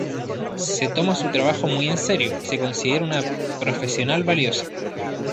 Se toma su trabajo muy en serio, y se considera una profesional valiosa.